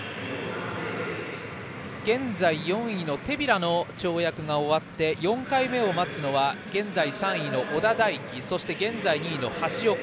現在４位の手平の跳躍が終わって４回目を待つのは現在３位の小田大樹そして現在２位の橋岡。